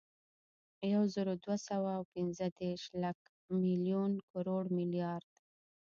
یوزرودوهسوه اوپنځهدېرش، لک، ملیون، کروړ، ملیارد